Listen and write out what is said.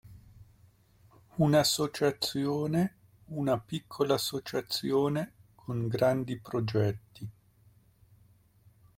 Una associazione, una piccola associazione, con grandi progetti.